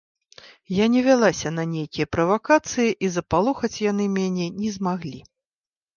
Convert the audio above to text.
Я не вялася на нейкія правакацыі, і запалохаць яны мяне не змаглі.